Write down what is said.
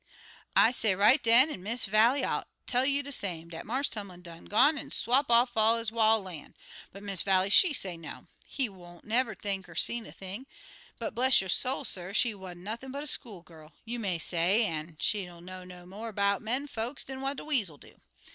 "I say right den, an' Miss Vallie 'll tell you de same, dat Marse Tumlin done gone an' swap off all his wil' lan', but Miss Vallie, she say no; he won't never think er seen a thing; but, bless yo' soul, suh, she wa'n't nothin' but a school gal, you may say, an' she ain't know no mo' 'bout men folks dan what a weasel do.